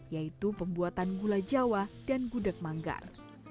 yaitu pembuatan gula jawa dan gudeg manggar